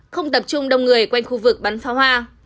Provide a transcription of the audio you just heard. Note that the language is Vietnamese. không tập trung đông người quanh khu vực bắn pháo hoa